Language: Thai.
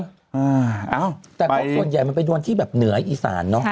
แต่ก็ส่วนใหญ่มันไปที่เหนืออีสานเนอะ